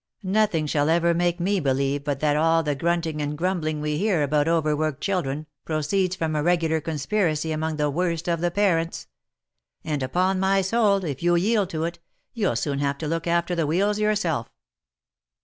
Nothing shall ever make me believe but that all the grunting and grumbling we hear about overworked children, pro ceeds from a regular conspiracy among the worst of the parents. And, upon my soul, if you yield to it, you'll soon have to look after the wheels yourself."